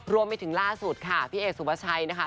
รวมไปถึงล่าสุดค่ะพี่เอกสุภาชัยนะคะ